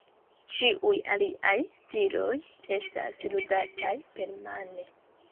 Ĉiuj aliaj stiloj estas ludataj permane.